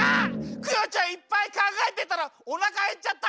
クヨちゃんいっぱいかんがえてたらおなかへっちゃった。